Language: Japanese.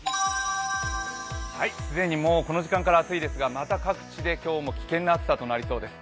既にもうこの時間から暑いですがまた各地で今日も危険な暑さとなりそうです。